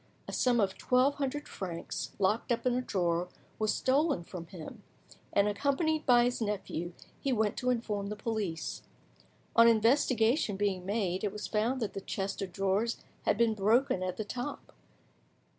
A sum of twelve hundred francs, locked up in a drawer, was stolen from him, and, accompanied by his nephew, he went to inform the police. On investigation being made, it was found that the chest of drawers had been broken at the top.